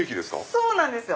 そうなんですよ。